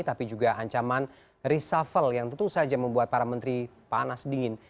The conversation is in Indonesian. tapi juga ancaman reshuffle yang tentu saja membuat para menteri panas dingin